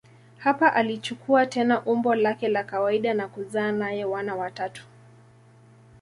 Hapa alichukua tena umbo lake la kawaida na kuzaa naye wana watatu.